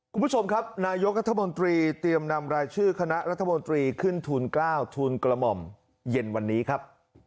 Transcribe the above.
คุณผู้ชมครับนายกรัฐมนตรีเตรียมนำรายชื่อคณะรัฐมนตรีขึ้นทุน๙ทุนกระหม่อมเย็นวันนี้ครับ